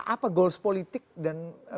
apa goals politik dan